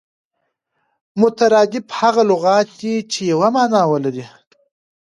مترادف هغه لغت دئ، چي یوه مانا ولري.